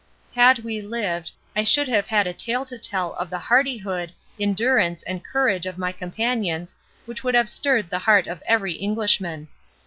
Had we lived, I should have had a tale to tell of the hardihood, endurance, and courage of my companions which would have stirred the heart of every Englishman.